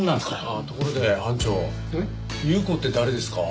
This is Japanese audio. あっところで班長祐子って誰ですか？